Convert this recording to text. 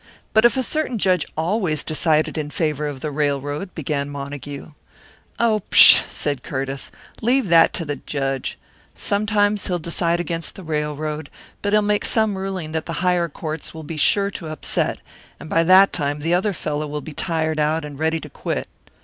"But if a certain judge always decided in favour of the railroad " began Montague. "Oh, pshaw!" said Curtiss. "Leave that to the judge! Sometimes he'll decide against the railroad, but he'll make some ruling that the higher courts will be sure to upset, and by that time the other fellow will be tired out, and ready to quit.